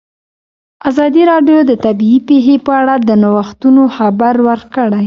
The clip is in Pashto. ازادي راډیو د طبیعي پېښې په اړه د نوښتونو خبر ورکړی.